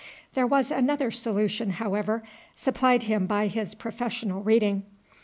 There was another solution, however, supplied him by his professional reading.